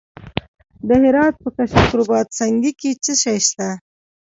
د هرات په کشک رباط سنګي کې څه شی شته؟